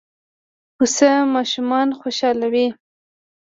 پسه ماشومان خوشحالوي.